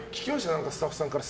何か、スタッフさんから。